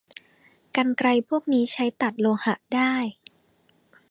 กรรไกรพวกนี้ใช้ตัดโลหะได้